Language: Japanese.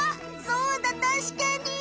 そうだたしかに。